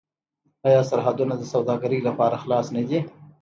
آیا سرحدونه د سوداګرۍ لپاره خلاص نه دي؟